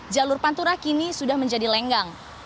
jalur pantura kini sudah menjadi lenggang